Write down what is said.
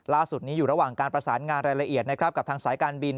ล่าสุดนี้อยู่ระหว่างการประสานงานละเอียดกับสายการบิน